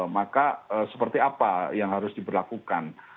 maka seperti apa yang harus diberlakukan